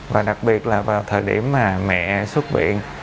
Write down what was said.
và đặc biệt là vào thời điểm mà mẹ xuất viện